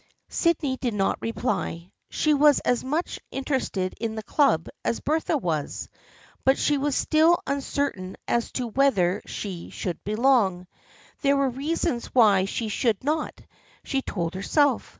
Sydney did not reply. She was as much inter ested in the club as Bertha was, but she was still uncertain as to whether she should belong. There were reasons why she should not, she told herself.